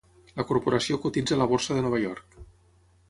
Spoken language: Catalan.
La corporació cotitza a la borsa de Nova York.